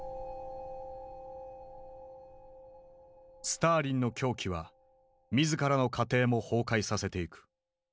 スターリンの狂気は自らの家庭も崩壊させていく。